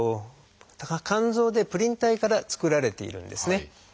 肝臓でプリン体から作られているんですね。